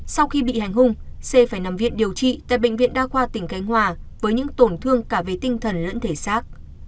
sau khi bị hành hung c phải nằm viện điều trị tại bệnh viện đa khoa tỉnh khánh hòa với những tổn thương cả về tinh thần lẫn thể xác